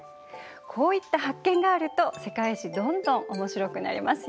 こういった発見があると「世界史」どんどんおもしろくなりますよ。